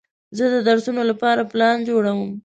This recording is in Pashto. زه د درسونو لپاره پلان جوړوم.